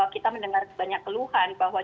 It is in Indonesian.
kita mendengar banyak keluhan bahwa